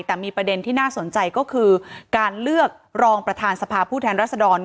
แต่มีประเด็นที่น่าสนใจก็คือการเลือกรองประธานสภาผู้แทนรัศดร